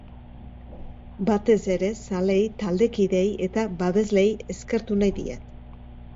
Batez ere, zaleei, taldekideei, eta babeslei eskertu nahi diet.